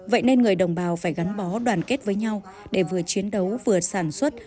vậy nên người đồng bào phải gắn bó đoàn kết với nhau để vừa chiến đấu vừa sản xuất